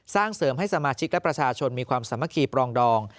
สร้างเสริมให้สมาชิกและประชาชนมีความสามัคคีปรองดอง